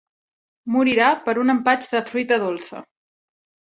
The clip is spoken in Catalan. Morirà per un empatx de fruita dolça.